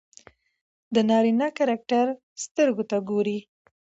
د نارينه کرکټر سترګو ته ګوري